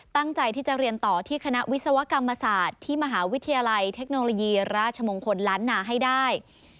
ตั้งใจที่จะเรียนต่อที่คณะวิศวกรรมศาสตร์ที่มหาวิทยาลัยเทคโนโลยีราชมงคลล้านนาให้ได้